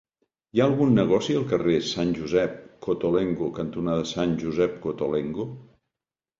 Hi ha algun negoci al carrer Sant Josep Cottolengo cantonada Sant Josep Cottolengo?